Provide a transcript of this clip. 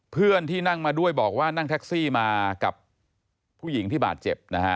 เพื่อนที่นั่งมาด้วยบอกว่านั่งแท็กซี่มากับผู้หญิงที่บาดเจ็บนะฮะ